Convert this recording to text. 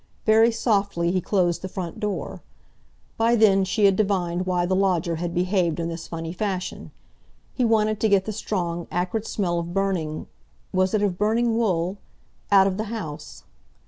Very softly he closed the front door. By then she had divined why the lodger had behaved in this funny fashion. He wanted to get the strong, acrid smell of burning—was it of burning wool?—out of the house.